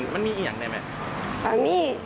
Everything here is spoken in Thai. มันมีอย่างไรแม่